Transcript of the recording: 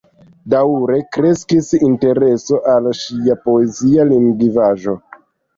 Daŭre kreskis la intereso al ŝia poezia lingvaĵo.